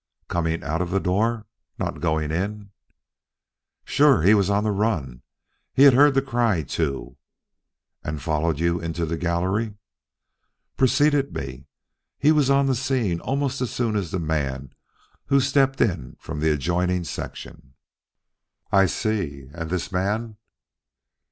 "Coming out of the door not going in?" "Sure. He was on the run. He had heard the cry too." "And followed you into the gallery?" "Preceded me. He was on the scene almost as soon as the man who stepped in from the adjoining section." "I see. And this man?"